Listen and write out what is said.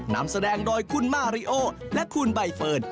นำแสดงโดยคุณมาริโอและคุณใบเฟิร์น